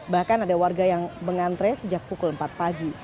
bahkan ada warga yang mengantre sejak pukul empat pagi